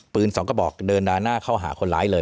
ปืน๒กระบอกเดินด้านหน้าเข้าหาคนหลายเลย